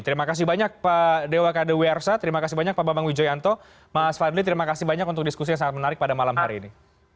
terima kasih banyak pak dewa kade wiersa terima kasih banyak pak bambang wijoyanto mas fadli terima kasih banyak untuk diskusi yang sangat menarik pada malam hari ini